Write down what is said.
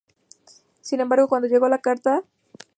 Sin embargo, cuando llegó la carta, Albuquerque ya había muerto.